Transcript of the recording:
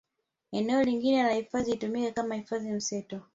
Eneo lingine la hifadhi litumike kama hifadhi mseto